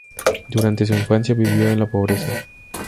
Durante su infancia vivió en la pobreza.